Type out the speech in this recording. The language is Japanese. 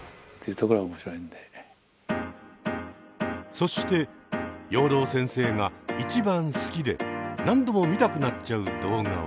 そして養老先生が一番好きで何度も見たくなっちゃう動画は？